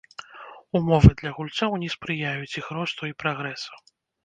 Умовы для гульцоў не спрыяюць іх росту і прагрэсу.